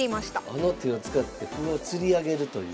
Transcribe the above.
あの手を使って歩をつり上げるという。